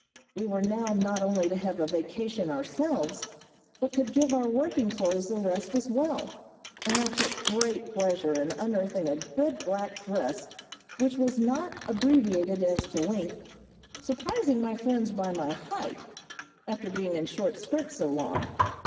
We were now not only to have a vacation ourselves, but could give our working clothes a rest as well, and I took great pleasure in unearthing a good black dress which was not abbreviated as to length, surprising my friends by my height, after being in short skirts so long.